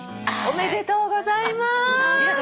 おめでとうございます。